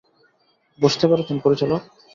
বুঝতে পেরেছেন, পরিচালক?